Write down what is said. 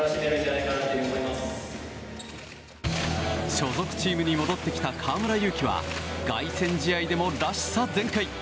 所属チームに戻ってきた河村勇輝は凱旋試合でも、らしさ全開！